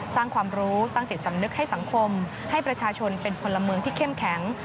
สร้างความรู้สร้างจิตสำนึกให้สังคมให้ประชาชนเป็นพลเมืองที่เข้มแข็ง